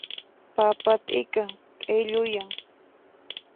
Papa t'ika q'illuyan.